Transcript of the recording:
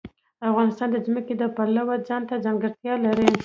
افغانستان د ځمکه د پلوه ځانته ځانګړتیا لري.